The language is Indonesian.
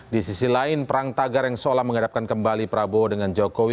di sisi lain perang tagar yang seolah menghadapkan kembali prabowo dengan jokowi